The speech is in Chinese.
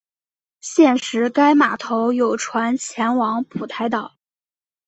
现时该码头有船前往蒲台岛。